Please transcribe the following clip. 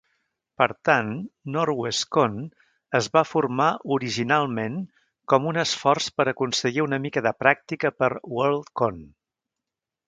Per tant, Norwescon es va formar originalment com un esforç per aconseguir una mica de pràctica per Worldcon.